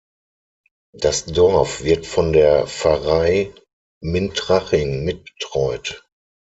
Das Dorf wird von der Pfarrei Mintraching mitbetreut.